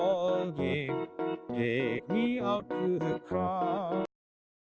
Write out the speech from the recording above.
seharusnya versi digital ini dapat dikembangkan lebih luas lagi agar bermanfaat